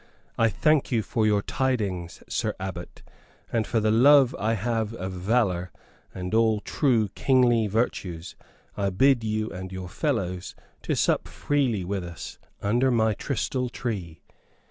I thank you for your tidings, Sir Abbot; and for the love I have of valor and all true kingly virtues, I bid you and your fellows to sup freely with us under my trystal tree."